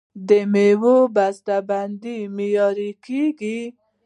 د میوو بسته بندي معیاري کیږي.